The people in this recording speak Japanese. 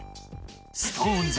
ＳｉｘＴＯＮＥＳ